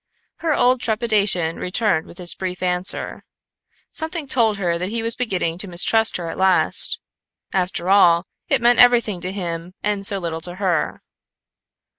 Her old trepidation returned with this brief answer. Something told her that he was beginning to mistrust her at last. After all, it meant everything to him and so little to her.